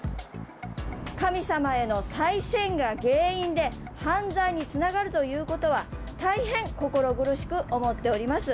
神様へのさい銭が原因で犯罪につながるということは、大変心苦しく思っております。